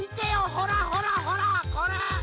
ほらほらほらこれ！